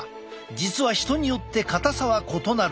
実は人によって硬さは異なる。